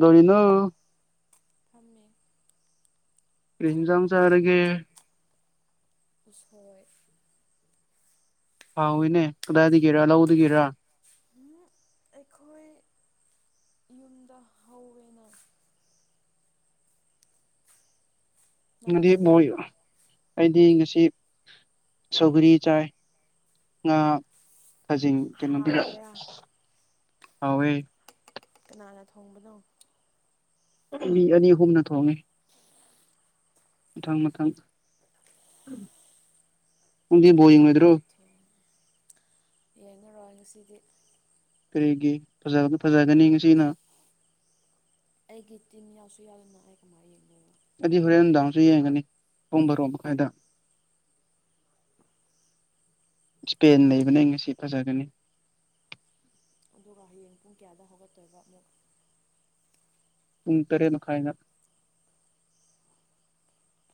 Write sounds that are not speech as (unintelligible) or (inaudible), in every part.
ꯗꯔꯤꯅ ꯐꯝꯃꯦ ꯄꯔꯤꯟꯖꯥꯝ ꯆ ꯑꯔꯒꯦ ꯁꯣꯏ ꯍꯥꯎ ꯍꯣꯏꯅꯦ ꯀꯗꯥꯏꯗꯒꯤꯒꯦꯔ ꯂꯧꯒꯦꯔꯥ ꯑꯩꯈꯣꯏ ꯌꯨꯝꯗ ꯍꯧꯋꯅ ꯅꯪꯗꯤ ꯑꯗꯤꯌꯣ ꯑꯗꯤ ꯁꯤ ꯁꯒꯔꯤ ꯆꯥꯏ ꯉ ꯈꯖꯤꯡ ꯀꯩꯅꯣꯗꯨ ꯍꯥꯎꯕ꯭ꯔꯥ ꯍꯥꯎꯋꯦ ꯀꯅꯥꯅ ꯊꯣꯡꯕꯅꯣ ꯃꯤ ꯑꯅꯤ ꯑꯍꯨꯝꯅ ꯊꯣꯡꯉꯦ ꯃ ꯊꯥꯡ ꯃꯊꯥꯡ ꯅꯥꯇꯣꯟꯇꯣ ꯊꯣꯡꯉ ꯌꯦꯅꯔꯣꯏ ꯉꯁꯤꯗꯤ ꯀꯔꯤꯒꯤ ꯐꯖ ꯐꯖꯒꯅꯤ ꯉꯁꯤꯅ ꯑꯩꯒꯤ ꯇꯤꯟ ꯌꯥꯎꯁꯨ ꯌꯥꯎꯗꯅ ꯑꯩ ꯀꯃꯥꯏꯅ ꯌꯦꯡꯅꯅꯣ ꯑꯩꯗꯤ ꯍꯣꯔꯦꯟ ꯅꯨꯡꯗꯥꯡꯁꯨ ꯌꯦꯡꯒꯅꯤ ꯄꯣꯡꯕꯔꯣꯛ ꯃꯈꯥꯏꯗ ꯏꯁꯄꯦꯟ ꯂꯩꯕꯅꯦ ꯑꯩ ꯉꯁꯤ ꯐꯖꯒꯅꯤ ꯑꯗꯨꯒ ꯍꯌꯦꯡ ꯄꯨꯡ ꯀꯌꯥꯗ ꯍꯧꯒꯠꯇꯣꯏꯕ ꯑꯃꯨꯛ ꯄꯨꯡ ꯇꯔꯦꯠꯃꯈꯥꯏꯗ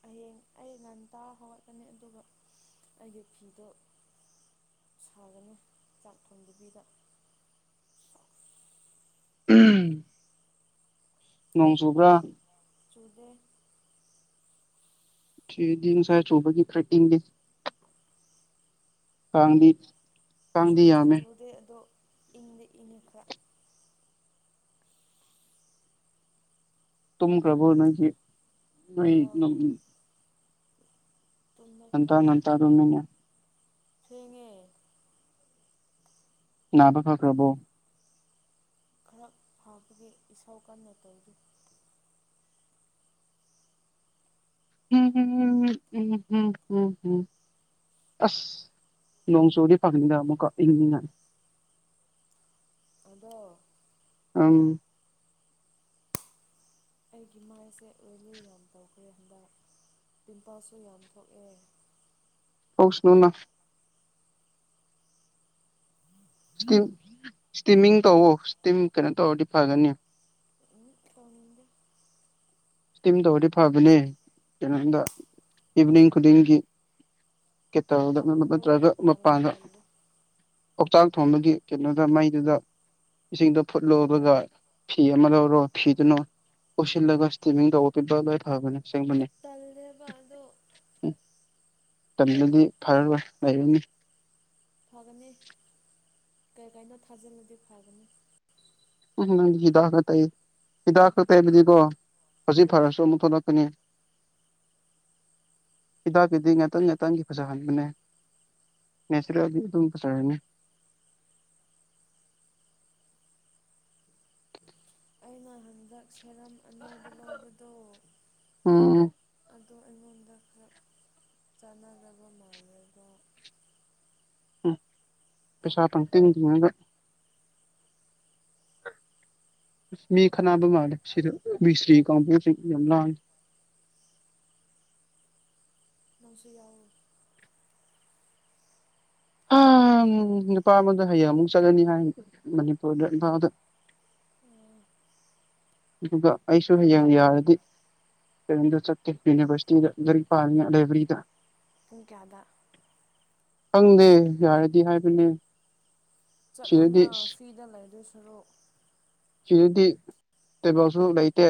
ꯍꯌꯦꯡ ꯑꯩ ꯉꯟ ꯇꯥ ꯍꯧꯒꯠꯀꯅꯤ ꯑꯗꯨꯒ ꯑꯩꯒꯤ ꯐꯤꯗꯣ ꯁꯥꯒꯅꯤ ꯆꯥꯛ ꯊꯣꯡꯕꯒꯤꯗ (inaudible) ꯅꯣꯡ ꯆꯨꯕ꯭ꯔꯥ ꯆꯨꯗꯦ ꯁꯤꯗꯗꯤ ꯉꯁꯥꯏ ꯆꯨꯕꯒꯤ ꯈꯔꯥ ꯏꯪꯉꯦ (unintelligible) ꯀꯥꯡꯗꯤ ꯆꯨꯗꯤ ꯌꯥꯝꯃꯦ ꯆꯨꯗꯦ ꯑꯗꯣ ꯏꯪꯗꯤ ꯏꯪꯈꯔ꯭ꯦ ꯇꯨꯝꯈꯔ꯭ꯕꯣ ꯉꯪꯗꯤ ꯃꯩ ꯑꯥ ꯇꯨꯝꯅꯈ꯭ꯔꯦ ꯉꯟꯇꯥ ꯉꯟꯇꯥ (unintelligible) ꯊꯦꯡꯉꯦ ꯅꯥꯕ ꯐꯈ꯭ꯔꯕꯣ ꯈꯔ ꯐꯥꯕꯒꯤ ꯏꯁꯧ ꯀꯟꯅ ꯇꯧꯔꯤ ꯍꯝꯝꯝ ꯎꯝꯝꯝꯝ ꯑꯁ ꯅꯣꯡ ꯆꯨꯗꯤ ꯐꯅꯤꯗ ꯑꯃꯨꯛꯀ ꯏꯪꯅꯤꯡꯉꯥꯏ (inaudible) ꯑꯗꯣ ꯎꯝ ꯑꯩꯒꯤ ꯃꯥꯏꯁꯦ ꯎꯔꯤꯡ ꯌꯥꯝ ꯇꯧꯈ꯭ꯔꯦ ꯍꯟꯗꯛ ꯄꯤꯝꯄꯜꯁꯨ ꯌꯥꯝ ꯊꯣꯛꯑꯦ (unintelligible) ꯏꯁꯇꯤꯝ ꯏꯁꯇꯤꯃꯤꯡ ꯇꯧꯑꯣ ꯏꯁꯇꯤꯝ ꯀꯩꯅꯣ ꯇꯧꯔꯗꯤ ꯐꯒꯅꯤ ꯎꯝ ꯇꯧꯅꯤꯡꯗꯦ ꯏꯁꯇꯤꯝ ꯇꯧꯔꯗꯤ ꯐꯕꯅꯦ ꯀꯩꯅꯣꯗ ꯏꯚꯤꯅꯤꯡ ꯈꯨꯗꯤꯡꯒꯤ ꯀꯦꯇꯜꯗ ꯇꯜꯂꯦ ꯅꯠꯇꯔꯒ ꯇꯜꯂꯦ ꯃꯄꯥꯟꯗ ꯇꯜꯂꯦ ꯑꯣꯛꯆꯥꯛ ꯊꯣꯡꯕꯒꯤ ꯀꯩꯅꯣꯗ ꯃꯩꯗꯨꯗ ꯏꯁꯤꯡꯗ ꯐꯨꯠꯂꯣ ꯑꯗꯨꯒ ꯐꯤ ꯑꯃ ꯂꯧꯔꯣ ꯐꯤꯗꯨꯅ ꯀꯣꯞꯁꯤꯜꯂꯒ ꯏꯁꯇꯤꯃꯤꯡ ꯇꯧꯑꯣ ꯄꯤꯝꯄꯜ ꯂꯣꯏ ꯐꯥꯕꯅꯦ ꯇꯜꯂꯦꯕ ꯑꯗꯣ ꯇꯜꯂꯗꯤ ꯐꯔꯔꯣꯏ ꯂꯩꯔꯅꯤ ꯐꯒꯅꯤ ꯀꯩ ꯀꯩꯅꯣ ꯊꯥꯖꯤꯜꯂꯗꯤ ꯐꯒꯅꯤ ꯎꯝ ꯅꯪ ꯍꯤꯗꯥꯛ ꯈꯛ ꯇꯩ ꯍꯤꯗꯥꯛ ꯈꯛ ꯇꯩꯕꯗꯤꯀꯣ ꯍꯧꯖꯤꯛ ꯐꯔꯁꯨ ꯑꯃꯨꯛ ꯊꯣꯛꯂꯛꯀꯅꯤ ꯍꯤꯗꯥꯛꯀꯤꯗꯤ ꯉꯥꯛꯇꯪ ꯉꯥꯛꯇꯪꯒꯤ ꯐꯖꯍꯟꯕꯅꯦ ꯅꯦꯆꯔꯦꯜ ꯑꯗꯨ ꯑꯗꯨꯝ ꯐꯖꯔꯅꯤ ꯑꯩꯅ ꯍꯟꯗꯛ ꯁꯦꯔꯝ ꯑꯅꯧꯕ ꯂꯧꯕꯗꯣ ꯎꯝ ꯑꯗꯣ ꯑꯩꯉꯣꯟꯗ ꯈꯔ ꯆꯥꯟꯅꯗꯕ ꯃꯥꯜꯂꯦꯗꯣ ꯎꯝ ꯄꯩꯁꯥ ꯄꯪꯇꯤꯡ ꯇꯤꯡꯔꯒ (unintelligible) ꯃꯤ ꯈꯠꯅꯥꯕ ꯃꯥꯜꯂꯦ ꯁꯤꯗ ꯃꯤꯁꯇꯔꯤ ꯀꯥꯡꯕꯨꯁꯤꯡ ꯌꯥꯝ ꯂꯥꯡꯑꯦ (inaudible) ꯅꯪꯁꯨ ꯌꯥꯎꯑꯣ ꯑ ꯅꯨꯄꯥ ꯑꯃꯗ ꯍꯌꯦꯡ ꯑꯃꯨꯛ ꯆꯠꯂꯅꯤ ꯍꯥꯏ ꯃꯅꯤꯄꯨꯔꯗ ꯏꯝꯐꯥꯜꯗ ꯑꯗꯨꯒ ꯑꯩꯁꯨ ꯍꯌꯦꯡ ꯌꯥꯔꯗꯤ ꯂꯥꯏꯕ꯭ꯔꯦꯔꯤꯗ ꯆꯠꯀꯦ ꯌꯨꯅꯤꯕꯔꯁꯤꯇꯤꯗ ꯂꯥꯏꯔꯤꯛ ꯄꯥꯒꯅꯤ ꯂꯥꯏꯕ꯭ꯔꯦꯔꯤꯗ ꯄꯨꯡ ꯀꯌꯥꯗ ꯈꯪꯗꯦ ꯌꯥꯔꯗꯤ ꯍꯥꯏꯕꯅꯦ ꯁꯤꯗꯗꯤ ꯆꯠꯂꯣꯅ ꯐꯔꯤꯗ ꯂꯩꯗꯣꯏ ꯁꯔꯨꯛ ꯁꯤꯗꯗꯤ ꯇꯦꯕꯜꯁꯨ ꯂꯩꯇꯦ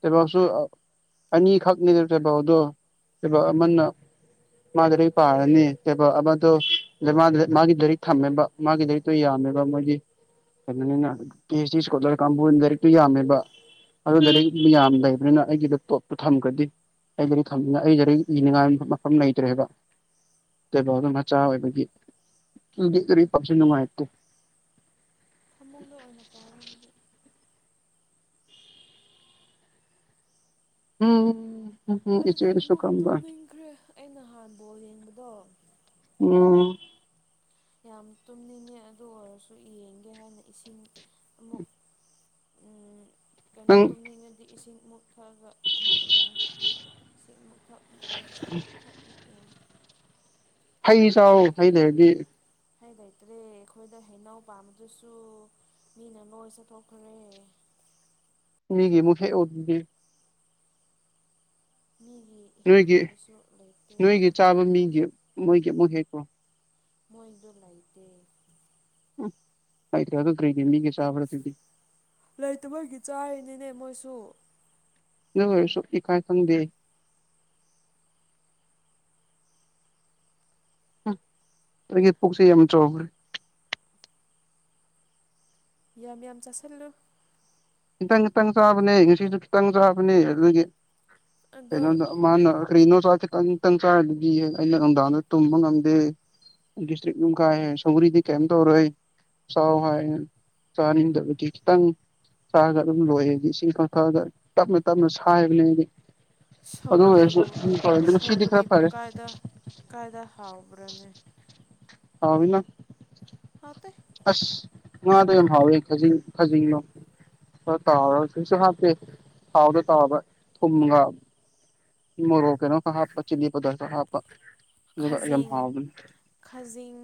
ꯇꯦꯕꯜꯁꯨ ꯑꯅꯤꯈꯛꯅꯤ ꯇꯦꯕꯜꯗꯣ ꯇꯦꯕꯜ ꯑꯃꯅ ꯃꯥꯗꯨ ꯄꯥꯔꯅꯤ ꯑꯃꯗꯣ ꯃꯥꯒꯤ ꯂꯔꯤꯛ ꯊꯝꯃꯦꯕ ꯃꯥꯒꯤ ꯔꯤꯛꯇꯣ ꯌꯥꯝ ꯃꯦ ꯀꯃꯒꯤ ꯀꯩꯅꯣꯅꯤꯅ ꯄꯤ ꯑꯩꯆ ꯗꯤ ꯎꯝ ꯏꯁꯀꯣꯂꯔ ꯀꯥꯡꯕꯨꯅ ꯂꯥꯏꯔꯤꯛꯇꯨ ꯌꯥꯝꯃꯦꯕ ꯑꯗꯨ ꯂꯥꯏꯔꯤꯛ ꯃ ꯌꯥꯝꯌꯥꯝ ꯂꯩꯕꯅꯤꯅ ꯑꯩꯒꯤꯗ ꯇꯣꯠꯄ ꯊꯝꯈ꯭ꯔꯗꯤ ꯑꯩ ꯊꯝꯅꯤꯡ ꯑꯩꯔꯤ ꯏꯅꯤꯡꯉꯥꯏ ꯃꯐꯝ ꯂꯩꯇ꯭ꯔꯦꯕ ꯥꯎꯗ ꯃꯆꯥ ꯑꯣꯏꯕꯒꯤꯔꯤꯁ ꯅꯨꯡꯉꯥꯏꯇꯦ ꯊꯃꯨꯡꯗ ꯑꯣꯏꯅ ꯄꯥꯎꯔꯗꯤ ꯑꯣ ꯑꯩꯗꯤ ꯑꯃꯨꯛ ꯇꯨꯝꯅꯤꯡꯈ꯭ꯔꯦ ꯑ ꯅꯍꯥꯟ ꯕꯣꯜ ꯌꯦꯡꯕꯗꯣ ꯎꯝ ꯌꯥꯝ ꯇꯨꯝꯅꯤꯡꯉ ꯑꯗꯨ ꯑꯣꯏꯔꯁꯨ ꯌꯦꯡꯒꯦ ꯍꯥꯏꯅ ꯏꯁꯤꯡ ꯑꯃꯨꯛ (inaudible) ꯀꯩꯅꯣ ꯅꯪ ꯇꯨꯝꯅꯤꯡꯉꯗꯤ ꯏꯁꯤꯡ ꯃꯨꯛ ꯊꯛꯒ ꯑꯃꯨꯛ ꯌꯦꯡꯉꯤ ꯁꯤ ꯑꯃꯨꯛ ꯊꯛ ꯑꯃꯨꯛ ꯌꯦꯡ ꯁꯤꯃꯨꯛ ꯊꯛ ꯑꯃꯨꯛ ꯌꯦꯡꯉꯤ ꯍꯩ ꯆ ꯍꯩꯅꯔꯗꯤ ꯍꯥꯏ ꯂꯩꯇ꯭ꯔꯦ ꯑꯩꯈꯣꯏꯗ ꯍꯩꯅꯎ ꯄꯥꯝꯕꯗꯨꯁꯨ ꯃꯤꯅ ꯂꯣꯏꯁꯨ ꯊꯣꯛꯣꯛꯈ꯭ꯔꯦ ꯃꯤꯒꯤ ꯃꯦ ꯑꯣꯗꯗꯤ ꯃꯤꯒꯤ ꯅꯣꯏꯒꯤ ꯍꯦꯛꯀꯗꯧꯕꯁꯨ ꯂꯩꯇꯦ ꯅꯣꯏꯒꯤ ꯆꯥꯕ ꯃꯤꯁ ꯃꯣꯏꯒꯤ ꯑꯃꯨꯛ ꯍꯦꯛꯀꯣ ꯃꯣꯏꯟꯗꯝ ꯂꯏꯗꯦ ꯍꯥꯏꯥꯏꯔꯤ ꯑꯗꯨ ꯀ꯭ꯔꯦ ꯏꯦ ꯃꯤꯒꯦ ꯆꯕꯔ ꯇꯗꯤ ꯂꯩꯇ ꯃꯣꯏꯒꯤ ꯆꯥꯔꯤꯅꯤꯅꯦ ꯃꯣꯏꯁꯨ ꯅꯣꯏ ꯁ ꯏ ꯀꯥꯏ ꯈꯪꯗꯦ ꯑꯗꯒꯤ ꯄꯨꯛꯁꯤ ꯌꯥꯝ ꯆꯥꯎꯈ꯭ꯔꯦ ꯌꯥꯝ ꯌꯥꯝ ꯆꯥꯁꯤꯜꯂꯨ ꯈꯤꯇꯪ ꯈꯤꯇꯪ ꯆꯥꯕꯅꯦ ꯉꯁꯤꯁꯨ ꯈꯤꯇꯪ ꯆꯥꯕꯅꯦ ꯑꯗꯨꯒꯤ ꯑꯗꯣ ꯩꯅꯣ ꯅ ꯃꯥ ꯅ ꯀꯔꯤꯅꯣ ꯁ ꯇ ꯈꯤꯇꯪ ꯆꯥꯔꯗꯤꯦꯛ ꯑꯩꯅ ꯅꯨꯡꯗꯥꯡꯗ ꯇꯨꯝꯕ ꯉꯝꯗꯦ ꯁꯔꯤ ꯀ ꯁꯧꯔꯤꯗꯤ ꯀꯦꯝ ꯇꯧꯔꯣꯏꯦ ꯆꯥꯎ ꯍꯥꯏ ꯆꯥꯅꯤꯗꯕꯗꯤ ꯈꯤꯇꯪ ꯆꯥꯔꯒ ꯑꯗꯨꯝ ꯂꯣꯏꯗꯤ ꯁꯤ ꯈꯪꯊꯥꯑꯒ ꯇꯞꯅ ꯇꯞꯅ ꯁꯥꯏꯕꯅꯦ ꯍꯥꯏꯗꯤ ꯑꯗꯨ ꯁꯧꯒ꯭ꯔꯤꯕꯨ ꯎꯦ ꯁꯤꯗꯤ ꯈꯔꯕ ꯁꯧꯒ꯭ꯔꯤꯕꯨ ꯐꯔꯦ ꯀꯥꯏꯗ ꯀꯥꯏꯗ ꯍꯥꯥꯎ ꯎꯕ꯭ꯔꯅꯦ ꯑꯥꯎꯕꯤꯅ ꯍꯥꯎꯇꯦ ꯑꯁ ꯉꯗ ꯌꯥꯝ ꯍꯥꯎꯋꯦ ꯈ ꯈꯖꯤꯡꯅꯣ ꯈ ꯇꯥꯎꯔꯒꯁꯨ ꯍꯥꯇꯦ ꯊꯥꯎꯗ ꯇꯥꯕ ꯊꯨꯝꯒ ꯔꯣ ꯀꯦꯅꯣ ꯈ ꯍꯥꯄ ꯆꯤꯂꯤ ꯄꯗꯥꯊ ꯍꯥ ꯍꯥꯄ ꯈꯖꯤꯡ ꯈꯖꯤꯡ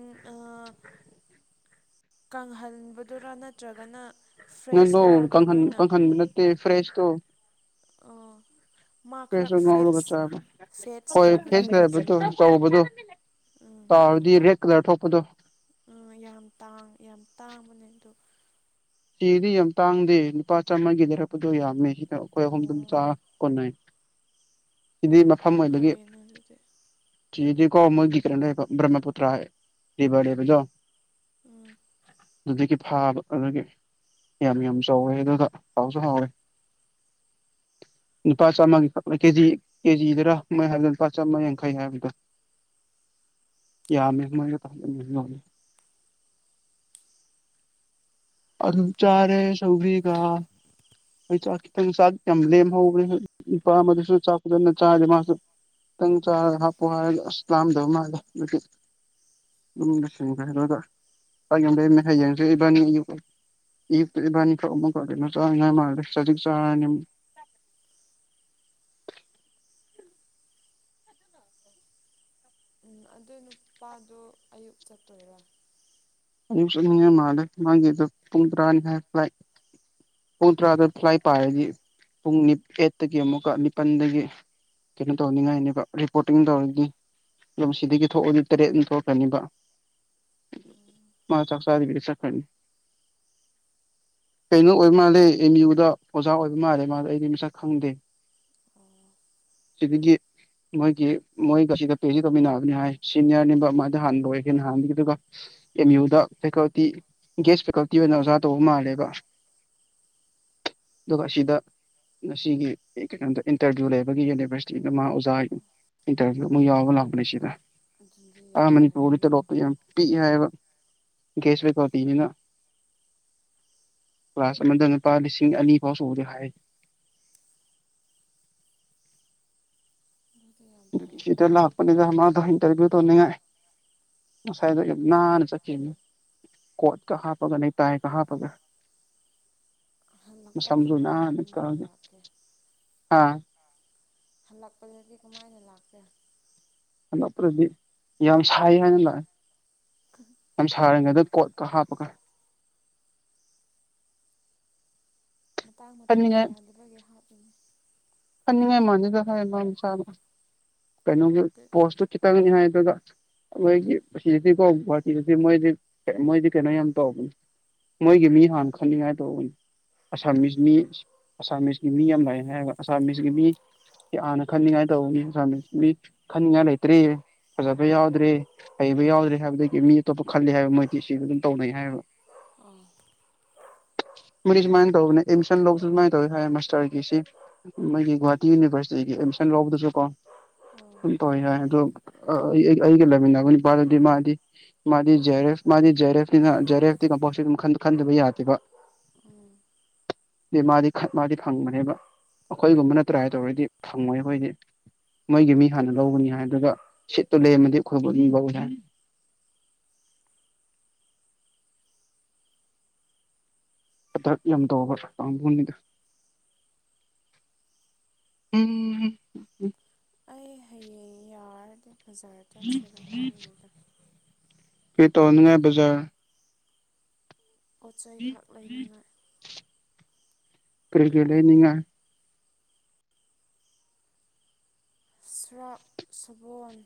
ꯀꯪꯍꯟꯕꯗꯨꯔꯥ ꯅꯠꯇ꯭ꯔꯒꯅ ꯅꯪ ꯐ꯭ꯔꯦꯁ ꯂꯣ ꯂꯧꯔꯒ ꯀꯪꯈꯟ ꯅꯣꯏꯅ ꯀꯪꯈꯟ ꯂꯦ ꯐ꯭ꯔꯦꯁ ꯑ ꯐꯦꯁꯨ ꯉꯥꯎꯔꯒ ꯆꯥꯕ ꯐꯦꯠꯁ ꯍꯣꯏ ꯂꯩꯕꯅꯦ ꯐꯦꯁ ꯈꯖꯤꯡ ꯂꯩ ꯆꯥꯎꯕꯗꯨ ꯇꯥꯔꯗꯤ ꯔꯦꯗꯔ ꯊꯣꯛꯣꯄꯗꯣ ꯎ ꯌꯥꯝ ꯇꯥꯡ ꯌꯥꯝ ꯇꯥꯡꯕꯅꯦ ꯑꯗꯨꯣ ꯁꯤꯗꯤ ꯌꯥꯝ ꯇꯥꯡꯗꯦ ꯂꯨꯄꯥ ꯆꯥꯝꯃꯥꯒꯤꯗꯔꯛꯄꯗꯣ ꯌꯥꯝꯃꯦ ꯑꯩꯈꯣꯏ ꯍꯈꯣꯝꯝ ꯑꯣ ꯆ ꯀꯣꯟꯅ ꯁꯤꯗꯤ ꯃꯐꯝ ꯑꯣꯏꯕꯒꯤ ꯐꯩꯌꯦꯅ ꯑꯗꯨꯗꯤ ꯁꯤꯗꯤ ꯀ ꯃꯒꯤ ꯭ꯔꯍꯃꯄꯨꯇ꯭ꯔꯕꯕꯗꯣ ꯎꯝ ꯑꯗꯨꯗꯒꯤ ꯐꯥꯕ ꯑꯗꯨꯒꯤ ꯌꯥꯝ ꯌꯥꯝ ꯆꯥꯎꯋꯦ ꯑꯗꯨ ꯍꯥꯎꯁꯨ ꯍꯥꯎꯋꯦ ꯂꯨꯄꯥ ꯆꯥꯝꯃꯒꯤ ꯀꯦꯖꯤ ꯀꯦꯖꯤꯗꯔꯥ ꯍꯥꯏꯕ ꯂꯨꯄꯥ ꯆꯥꯝꯃ ꯌꯥꯡꯈꯩ ꯍꯥꯏꯕꯗ ꯌꯥ ꯃꯦꯃ ꯃꯦ ꯑꯗꯨ ꯑꯗꯨꯝ ꯆꯥꯔꯦ ꯁꯧꯕꯤ ꯀ ꯑꯩ ꯆꯥꯛ ꯈꯤꯇꯪ ꯆꯥꯛ ꯌꯥꯝ ꯂꯦꯝꯍꯧꯕꯅꯦ ꯅꯨꯄꯥ ꯑꯃꯗꯁꯨ ꯆꯥꯛꯖꯅ ꯆꯥꯥꯁꯦ ꯃꯥꯁꯨ ꯆꯪ ꯆ ꯍꯥ ꯄꯍ ꯑꯂꯝꯗꯃ ꯎꯝ ꯍꯥꯏꯡꯕꯥꯅꯤ ꯄꯕꯥꯅꯤ ꯐ ꯆꯖꯤ ꯆ (inaudible) ꯎꯝ ꯑꯗꯨ ꯅꯨꯄꯥꯗꯣ ꯑꯌꯨꯛ ꯆꯠꯇꯣꯏꯔꯥ ꯃꯤ ꯃꯥꯒꯤ ꯑꯗꯨ ꯇꯨꯡꯗ꯭ꯔꯥꯅꯤ ꯍꯥꯏꯥꯏ ꯄꯨꯡ ꯇꯔꯥꯗ ꯐ꯭ꯂꯥꯏ ꯄꯥꯏꯔꯗꯤ ꯄꯨꯡ ꯑꯩꯠꯇꯒꯤ ꯑꯃꯨꯛꯀ ꯅꯤꯄꯜꯗꯒꯤ ꯀꯩꯅꯣ ꯇꯧꯅꯤꯡꯉꯥꯏꯅꯦ ꯔꯤꯄꯣꯔꯇꯤꯡ ꯇꯧꯔꯗꯤ ꯑꯗꯨ ꯁꯤꯗꯒꯤ ꯊꯣꯛꯑꯅꯤ ꯇꯔꯦꯠꯅꯤ ꯊꯣꯛꯛꯀꯅꯤꯕ ꯎꯝ ꯃꯥ ꯆꯥꯛꯁꯗ ꯁꯀꯅꯤ ꯀꯩꯅꯣ ꯑꯣꯏꯕ ꯃꯥꯜꯂꯦ ꯑꯦꯝ ꯌꯨꯗ ꯑꯣꯖꯥ ꯑꯣꯏꯕ ꯃꯥꯜꯂꯦ ꯃꯥꯗ ꯑꯩꯗꯤ ꯃꯁꯛ ꯈꯪꯗꯦ ꯑꯣ ꯁꯤꯗꯒꯤꯒꯤ ꯃꯣꯏꯒꯤ ꯃꯣꯏꯒ ꯁꯤꯗ ꯄꯦꯁꯤ ꯇꯧꯃꯤꯟꯅꯕꯅꯤ ꯍꯥꯏ ꯁꯤꯅꯤꯌꯔꯅꯤꯕ ꯑꯗꯨꯃꯥꯏꯅ ꯍꯥꯟꯕ ꯂꯣꯏ ꯍꯦꯟꯅ ꯍꯥꯟꯒꯗꯨ ꯑꯦꯝ ꯌꯨꯗ ꯐꯦꯀꯜꯇꯤ ꯒꯦꯁ ꯐꯦꯀꯜꯇꯤ ꯑꯣꯏꯅ ꯑꯣꯖꯥ ꯇꯧꯕ ꯃꯥꯜꯂꯦꯕ ꯑꯗꯨꯒ ꯑꯁꯤꯗ ꯉꯒꯤ ꯑꯩ ꯀꯩꯅꯣꯗ ꯏꯟꯇꯔꯚꯤꯌꯨ ꯂꯩꯕꯒꯤ ꯌꯨꯅꯤꯚꯔꯁꯤꯇꯤꯗ ꯃꯥ ꯑꯣꯖꯥ ꯍꯥꯏ ꯏꯟꯇꯔꯚꯤꯌꯨ ꯑꯃ ꯌꯥꯎꯕ ꯂꯥꯛꯄꯅꯦ ꯁꯤꯗ ꯑꯗꯨꯗꯤ ꯑꯥ ꯌꯥꯝ ꯃꯅꯤꯄꯨꯔꯗꯤ ꯐꯩꯌꯦꯅ ꯇꯂꯣꯞꯇ ꯌꯥꯝ ꯄꯤꯛꯏ ꯍꯥꯏꯕ ꯦꯁꯔ ꯀꯥꯎꯇꯅꯤꯅ ꯀ꯭ꯂꯥꯁ ꯑꯃꯗ ꯂꯨꯄꯥ ꯂꯤꯁꯤꯡ ꯑꯅꯤ ꯐꯥꯎ ꯁ ꯎꯗꯦ ꯍꯥꯏ (unintelligible) ꯑꯗꯨꯗꯤ ꯌꯥꯝ ꯇ ꯐꯩꯌꯦꯅ ꯂꯥꯛꯄꯅꯤꯗ ꯏꯟꯇꯔꯚꯤꯨꯅꯤꯡꯉꯥꯏ ꯉꯁꯥꯏ ꯅꯅ ꯆꯀꯤ ꯀꯣꯠ ꯀꯥ ꯄꯒ ꯅꯩꯅ ꯇꯥꯑ ꯀꯥ ꯄꯒ ꯍꯜꯂꯛꯄ ꯁꯖꯨ ꯅ ꯐꯤꯕꯝꯗꯤ ꯀꯃꯥꯏꯅ ꯀꯒ ꯂꯥꯛꯀꯦ ꯍꯥꯥ ꯍꯜꯂꯛꯄꯖꯇ ꯀꯃꯥꯏꯅ ꯂꯥꯛꯄꯦ ꯑꯗꯛꯄ꯭ꯔꯗꯤ ꯌꯥꯝ ꯁꯥꯏ ꯍꯥꯏꯅ ꯂꯥꯛꯑꯦ ꯌꯥꯝ ꯁꯥꯔꯤꯉꯩꯗ ꯀꯣꯠ ꯀ ꯍꯥꯄ ꯀ ꯃꯇꯥꯡ ꯃꯇꯝ ꯈꯟꯅꯤꯡꯉꯥꯏ ꯌꯥꯗꯨꯒ ꯍꯥꯞꯂꯤꯉ ꯃꯖꯗ ꯍꯥꯏꯃ ꯏꯁꯥ ꯀꯩꯅꯣꯒꯤ ꯄꯣꯁꯇꯇꯅꯤ ꯍꯥꯏ ꯑꯗꯨꯒ ꯃꯈꯣꯏꯒꯤ ꯁꯤꯗꯗꯤꯀꯣ ꯒꯨꯍꯥꯇꯤꯗꯗꯤ ꯃꯣꯏꯗꯤ ꯃꯣꯏꯗꯤ ꯀꯩꯅꯣ ꯌꯥꯝ ꯇꯧꯕꯅꯤ ꯃꯣꯏꯒꯤ ꯃꯤ ꯍꯥꯟꯅ ꯈꯟꯅꯤꯡꯉꯥꯏ ꯇꯧꯕꯅꯤ ꯑꯁꯥꯃꯤꯁ ꯃꯤ ꯑꯁꯥꯃꯤꯁꯀꯤ ꯃꯤ ꯌꯥꯝ ꯂ ꯍꯥꯏ ꯑꯁꯥꯃꯤꯁꯀꯤ ꯃꯤ ꯍꯥꯟꯅ ꯈꯟꯅꯤꯡꯉꯥꯏ ꯇꯧꯕꯅꯤꯃꯤ ꯃꯤ ꯈꯟꯅꯤꯡꯉꯥꯏ ꯂꯩꯇ꯭ꯔꯤꯌꯦ ꯐꯖꯕ ꯌꯥꯎꯗ꯭ꯔꯦ ꯍꯩꯕ ꯌꯥꯎꯗ꯭ꯔꯦ ꯍꯥꯏꯕꯗꯒꯤ ꯃꯤ ꯑꯇꯣꯞꯄ ꯈꯜꯂꯤ ꯍꯥꯏꯕ ꯃꯣꯏꯗꯤ ꯁꯤꯒ ꯑꯗꯨꯝ ꯇꯧꯅꯩ ꯍꯥꯏꯌꯦꯕ ꯎꯝ ꯃꯁꯨ ꯃꯥꯥꯏꯁ ꯃꯥ ꯃꯥꯁꯔꯁꯤ ꯃꯣꯏꯒꯤ ꯒꯨꯍꯥꯇꯤ ꯌꯨꯅꯤꯚꯔꯁꯤꯇꯤꯒꯤ ꯑꯦꯗꯃꯤꯁꯟ ꯂꯧꯕꯗꯨꯁꯨ ꯀꯣ ꯑꯣ ꯁꯝ ꯇꯧꯋꯦ ꯌꯥꯏ ꯑꯗꯣ ꯑꯩꯒ ꯂꯩꯃꯤꯟꯅꯕ ꯅꯤꯄꯥꯗꯨꯗꯤ ꯃꯥꯗꯤ ꯃꯥꯗꯤ ꯖꯦꯔꯦꯐ ꯃꯥꯗꯤ ꯖꯦꯔꯦꯐꯤꯅ ꯖꯦꯔꯦꯐꯇꯤ ꯀꯝꯄꯣ ꯈꯟꯗꯕ ꯌꯥꯗꯦꯕ ꯎꯝ ꯑ ꯃꯥꯗꯤ ꯃꯥꯗꯤ ꯐꯪꯕꯅꯦꯕ ꯑꯩꯈꯣꯏꯒꯨꯝꯕꯅꯠꯇ꯭ꯔꯥꯏ ꯇꯧꯔꯗꯤ ꯐꯪꯉꯣꯏ ꯑꯩꯈꯣꯏꯗꯤ ꯃꯣꯏꯒꯤ ꯃꯤ ꯍꯥꯟꯅ ꯂꯧꯕꯅꯤ ꯍꯥꯏ ꯑꯗꯨꯒ ꯁꯤꯠꯇꯣ ꯂꯩꯔꯝꯃꯗꯤ ꯑꯩꯈꯣꯏꯕꯨ ꯃꯤ ꯂꯧꯏ ꯍꯥꯏ (unintelligible) ꯑꯗ ꯌꯥꯝ ꯇꯕ꯭ꯔ ꯀꯥꯡꯥꯕꯨꯅꯤꯗ ꯎꯝ ꯖꯥꯔꯇꯠ ꯁꯦꯔꯛ ꯐꯥꯟꯗꯦꯗꯥ ꯀꯔꯤ ꯇꯧꯅꯤꯉꯥꯏ ꯖꯥꯔ ꯄꯣꯠ ꯆꯩꯩ ꯈꯔꯛ ꯂꯩꯅꯤꯡꯉꯥꯏ ꯀꯔꯒ ꯂꯩꯅꯤꯟꯉꯏ ꯁꯔꯥꯛ ꯁꯕꯣꯟ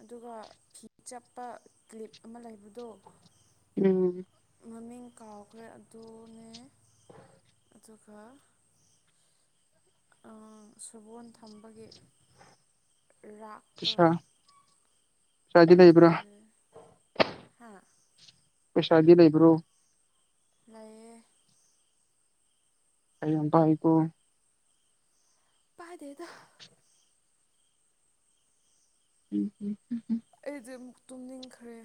ꯑꯗꯨꯒ ꯐꯤ ꯆꯞꯄ ꯀ꯭ꯂꯤꯞ ꯑꯃ ꯂꯩꯕꯗꯣ ꯎꯝ ꯃꯃꯤꯡ ꯀꯥꯎꯈ꯭ꯔꯦ ꯑꯗꯨꯅꯦ ꯑꯗꯨꯒ ꯁꯕꯣꯟ ꯊꯝꯕꯒꯤ ꯔꯥꯛ ꯇ ꯄꯩꯁꯥ ꯄꯩꯁꯥꯗꯤ ꯂꯩꯕ꯭ꯔꯥ ꯑꯗꯨꯗ ꯍꯥ ꯄꯩꯁꯥꯒꯤ ꯂꯩꯕ꯭ꯔꯣ ꯂꯩꯏꯌꯦ ꯎꯝ ꯄꯥꯌꯨꯀꯣ ꯄꯥꯏꯗꯦꯗ ꯎꯝ ꯎꯝ ꯑꯩꯗꯤ ꯑꯃꯨꯛ ꯇꯨꯝꯅꯤꯡꯈ꯭ꯔꯦ